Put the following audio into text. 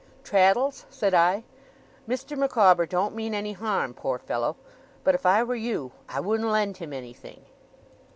'Traddles,' said I, 'Mr. Micawber don't mean any harm, poor fellow: but, if I were you, I wouldn't lend him anything.